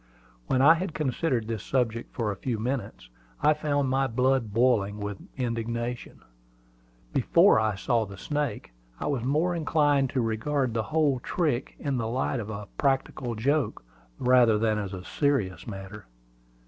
When I had considered this subject for a few minutes, I found my blood boiling with indignation. Before I saw the snake, I was more inclined to regard the whole trick in the light of a practical joke, rather than as a serious matter.